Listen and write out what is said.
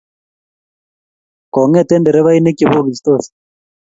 kongete nderefainik chebogitsot